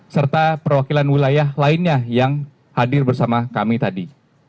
serta perwakilan wilayah lainnya yang hadir bersama kami tadi